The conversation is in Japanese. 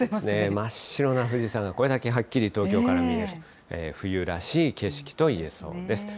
真っ白な富士山が、これだけはっきり東京から見えると、冬らしい景色といえそうです。